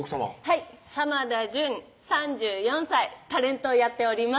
はい濱田准３４歳タレントをやっております